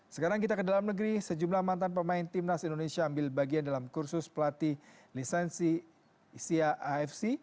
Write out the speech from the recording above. sekarang kita ke dalam negeri sejumlah mantan pemain timnas indonesia ambil bagian dalam kursus pelatih lisensi cia afc